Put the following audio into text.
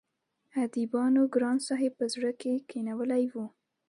اديبانو ګران صاحب په زړه کښې کښينولی وو